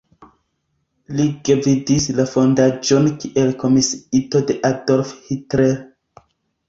Li gvidis la fondaĵon kiel komisiito de Adolf Hitler.